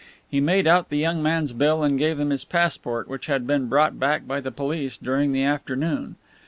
He made out the young man's bill and gave him his passport, which had been brought back by the police during the afternoon.